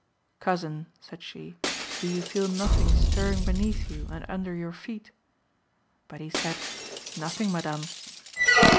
"Cousin," said she, "do you feel nothing stirring beneath you and under your feet?" But he said, "Nothing, Madame."